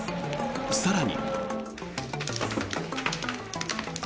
更に。